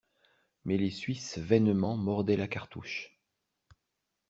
Mais les Suisses vainement mordaient la cartouche.